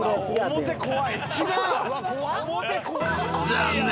［残念。